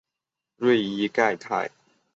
瑞伊盖泰。